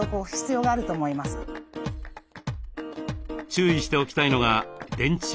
注意しておきたいのが電柱